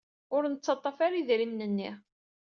Ur nettaḍḍaf ara idrimen-nni.